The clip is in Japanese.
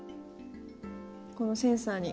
このセンサーに。